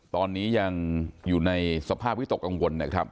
ตอนนี้ยังอยู่ในสภาพวิตกกังวลนะครับ